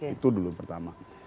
itu dulu pertama